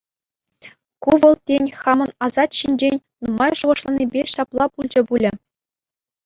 Ку вӑл, тен, хамӑн асат ҫинчен нумай шухӑшланипе ҫапла пулчӗ пулӗ.